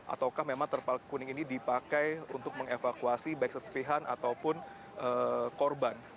ataukah memang terpal kuning ini dipakai untuk mengevakuasi baik serpihan ataupun korban